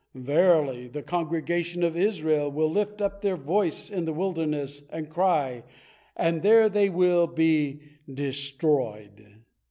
Verily, the congregation of Israel will lift up their voice in the wilderness, and cry, and there they will be destroyed."